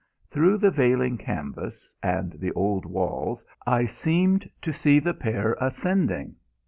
Through the veiling canvas and the old walls I seemed to see the pair ascending.